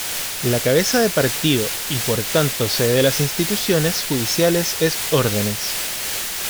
La cabeza de partido y por tanto sede de las instituciones judiciales es Órdenes.